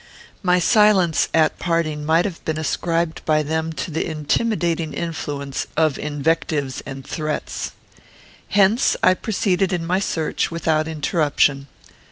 My silence, at parting, might have been ascribed by them to the intimidating influence of invectives and threats. Hence I proceeded in my search without interruption.